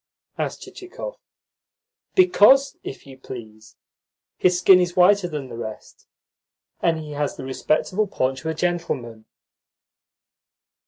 asked Chichikov. "Because, if you please, his skin is whiter than the rest, and he has the respectable paunch of a gentleman."